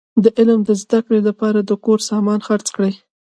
د علم د زده کړي له پاره د کور سامان خرڅ کړئ!